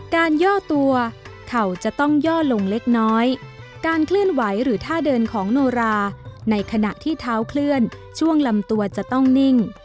ย่อตัวเข่าจะต้องย่อลงเล็กน้อยการเคลื่อนไหวหรือท่าเดินของโนราในขณะที่เท้าเคลื่อนช่วงลำตัวจะต้องนิ่ง